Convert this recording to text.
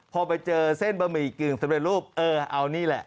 พอไปเจอเส้นบะหมี่กึ่งสำเร็จรูปเออเอานี่แหละ